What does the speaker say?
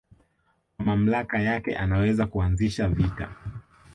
Kwa mamlaka yake anaweza kuanzisha vita